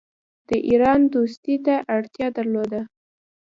د ایران دوستی ته اړتیا درلوده.